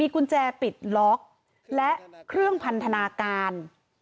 กุญแจปิดล็อกและเครื่องพันธนาการ